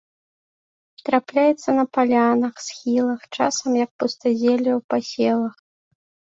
Трапляецца на палянах, схілах, часам як пустазелле ў пасевах.